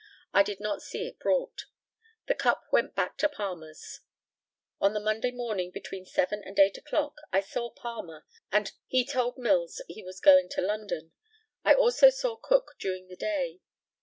I did not see it brought. The cup went back to Palmer's. On the Monday morning, between seven and eight o'clock, I saw Palmer. He told Mills he was going to London. I also saw Cook during the day.